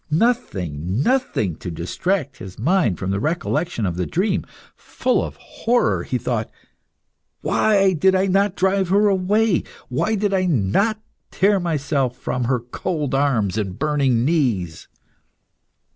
Nothing, nothing to distract his mind from the recollection of the dream. Full of horror, he thought "Why did I not drive her away? Why did I not tear myself from her cold arms and burning knees?"